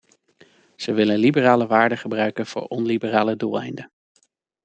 Ze willen liberale waarden gebruiken voor onliberale doeleinden.